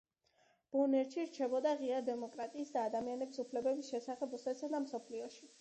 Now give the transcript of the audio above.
ბონერი რჩებოდა ღია დემოკრატიისა და ადამიანის უფლებების შესახებ რუსეთსა და მსოფლიოში.